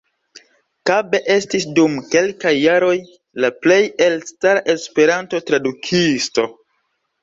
Kabe estis dum kelkaj jaroj la plej elstara Esperanto-tradukisto.